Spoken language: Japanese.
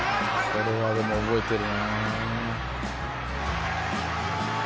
これはでも覚えてるな。